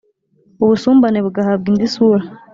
ubusumbane bugahabwa indi sura.